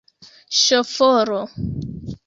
Ŝoforo!